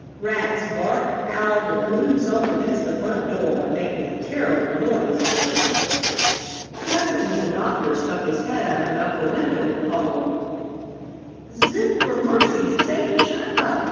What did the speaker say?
Rats barked, howled, and threw himself against the front door, making a terrible noise generally. Presently the doctor stuck his head out of an upper window and called: "Zip, for mercy's sake, shut up!